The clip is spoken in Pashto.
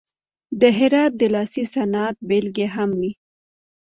د هرات د لاسي صنعت بیلګې هم وې.